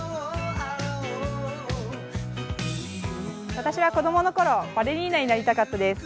私は子供のころ、バレリーナになりたかったです。